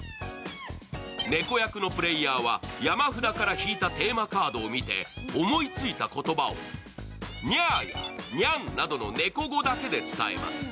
猫役のプレーヤーは山札から引いたテーマカードを見て、思いついた言葉を「ニャー」や「ニャン」などの猫語だけで伝えます。